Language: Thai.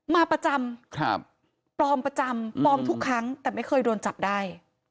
มาประจำปลอมประจำปลอมทุกครั้งแต่ไม่เคยโดนจับได้